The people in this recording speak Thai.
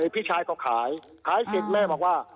พี่ชายก็ขายขายเสร็จแม่บอกว่า